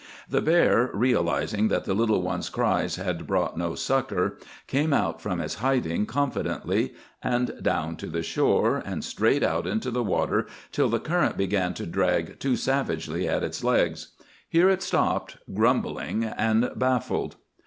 The bear, realizing that the little one's cries had brought no succour, came out from its hiding confidently, and down to the shore, and straight out into the water till the current began to drag too savagely at its legs. Here it stopped, grumbling and baffled.